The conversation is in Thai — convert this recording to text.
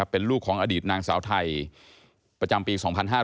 เป็นลูกของอดีตนางสาวไทยประจำปี๒๕๕๙